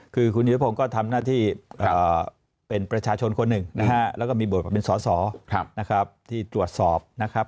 คือคุณยุทธพงศ์ก็ทำหน้าที่เป็นประชาชนคนหนึ่งนะฮะแล้วก็มีบทมาเป็นสอสอนะครับที่ตรวจสอบนะครับ